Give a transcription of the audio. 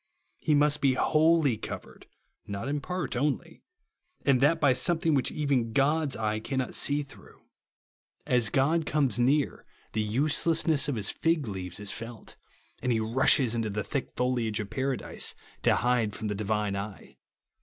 He must be ivholly covered, not in part only ; and that by something which even God's eye cannot see through. As God THE WORD OF THE TRUTH OF THE GOSrEL. 79 comes near, tlie uselessness of his fig leaves is felt, and he rushes into the thick foliage of Paradise to hide from the Divine eye.